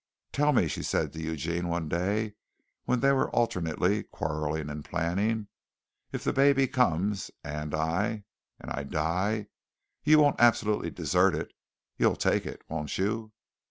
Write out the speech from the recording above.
"Tell me," she said to Eugene one day, when they were alternately quarreling and planning, "if the baby comes, and I and I die, you won't absolutely desert it? You'll take it, won't you?"